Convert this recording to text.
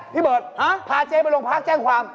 พี่เบิร์ตพาเจ๊ไปโรงพักแจ้งความ